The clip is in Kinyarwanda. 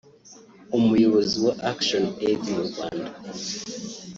umuyobozi wa Action Aid mu Rwanda